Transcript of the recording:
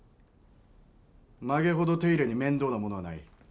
まげほど手入れに面倒なものはない。